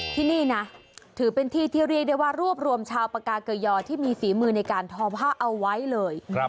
ที่นี่นะถือเป็นที่ที่เรียกได้ว่ารวบรวมชาวปากาเกยอที่มีฝีมือในการทอผ้าเอาไว้เลย